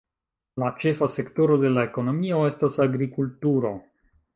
La ĉefa sektoro de la ekonomio estas agrikulturo.